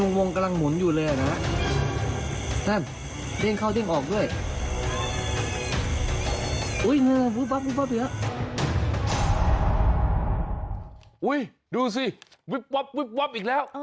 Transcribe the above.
โอ๊ยดูซิน้องกลืนอีกแล้ว